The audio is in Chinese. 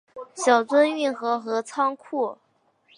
小樽运河和仓库